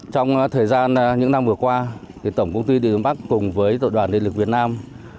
trong thời gian những năm vừa qua tổng công ty điện lực miền bắc cùng với tổng đoàn điện lực miền nam